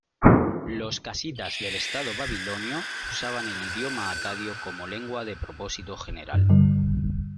Los casitas del estado babilonio usaban el idioma acadio como lengua de propósito general.